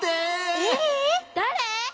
えっ？だれ？